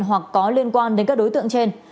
hoặc có liên quan đến các đối tượng trên